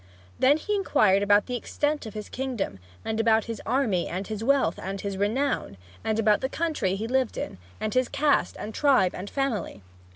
Then he inquired about the extent of his kingdom, and about his army, and his wealth, and his renown, and about the country he lived in, and his caste and tribe and family.